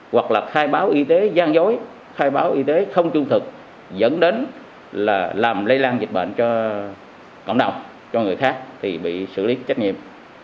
hoặc là khai báo y tế gian dối khai báo y tế không trung thực dẫn đến là làm lây lan dịch bệnh cho cộng đồng cho người khác thì bị xử lý trách nhiệm